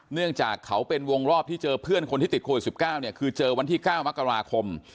เนื่องจากเขาเป็นวงรอบที่เจอเพื่อนคนที่ติดโควิด๑๙เนี่ยคือเจอวันที่๙มกราคม